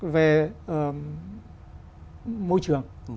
về môi trường